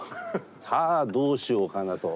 さあどうしようかなと。